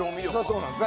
そうなんです。